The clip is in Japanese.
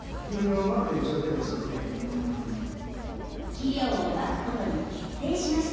肥料をまくことに決定しました。